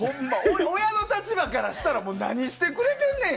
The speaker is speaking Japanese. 親の立場からしたら何してくれてんねん！